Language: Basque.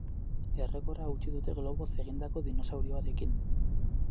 Errekorra hautsi dute globoz egindako dinosaurioarekin.